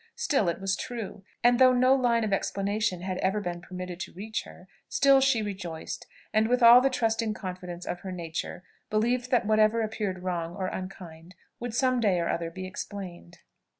Still it was true. And though no line of explanation had ever been permitted to reach her, still she rejoiced; and with all the trusting confidence of her nature believed that whatever appeared wrong or unkind, would some day or other be explained.